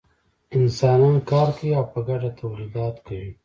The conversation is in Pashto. انسانان کار کوي او په ګډه تولیدات کوي.